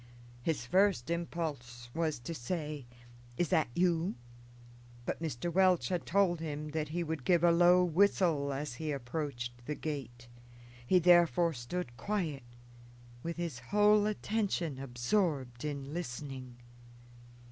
His first impulse was to say, "Is that you?" but Mr. Welch had told him that he would give a low whistle as he approached the gate; he therefore stood quiet, with his whole attention absorbed in listening.